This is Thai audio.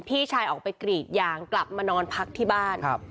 พี่ชายออกไปกรีดยางกลับมานอนพักที่บ้าน